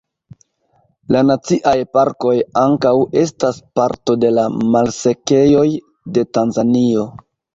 La naciaj parkoj ankaŭ estas parto de la malsekejoj de Tanzanio.